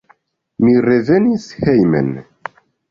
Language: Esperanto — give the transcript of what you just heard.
Mi revenis hejmen.